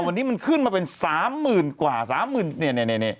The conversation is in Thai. วันนี้มันขึ้นมาเป็น๓๐๐๐กว่า๓๐๐๐เนี่ย